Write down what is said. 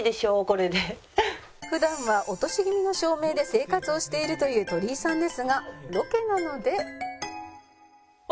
「普段は落とし気味の照明で生活をしているという鳥居さんですがロケなので」